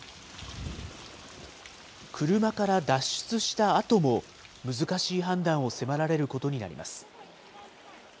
車から脱出したあとも、難しい判断を迫られることになります。